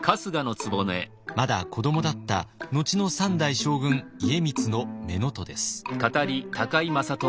まだ子どもだった後の３代将軍家光の乳母です。